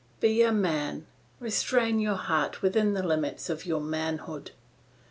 Be a man; restrain your heart within the limits of your manhood.